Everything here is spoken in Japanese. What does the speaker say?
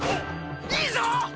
いいぞ！